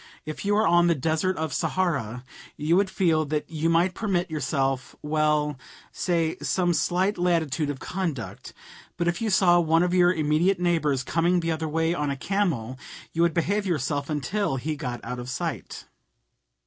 If you were on the Desert of Sahara, you would feel that you might permit yourself well, say, some slight latitude of conduct; but if you saw one of your immediate neighbors coming the other way on a camel, you would behave yourself until he got out of sight.